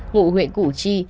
ngụ huyện cụ chi